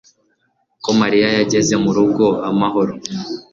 ko Mariya yageze mu rugo amahoro